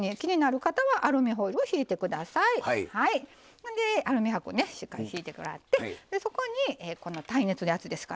ほんでアルミ箔ねしっかりひいてもらってでそこにこの耐熱で熱いですからね。